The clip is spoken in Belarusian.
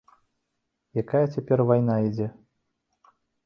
Якая цяпер вайна ідзе?